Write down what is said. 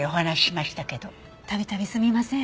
度々すみません。